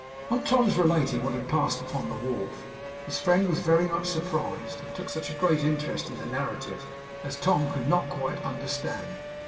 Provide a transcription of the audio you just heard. On Tom's relating what had passed upon the wharf, his friend was very much surprised, and took such a great interest in the narrative as Tom could not quite understand.